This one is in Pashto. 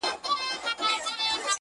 هدیره دي د غلیم سه ماته مه ګوره قبرونه -